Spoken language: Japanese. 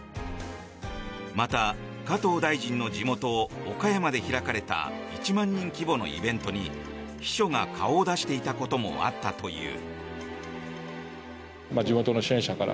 また、加藤大臣の地元岡山で開かれた１万人規模のイベントに秘書が顔を出していたこともあったという。